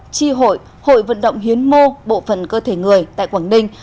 tri hội hội vận động hiến mô bộ phận cơ thể người tại quảng đinh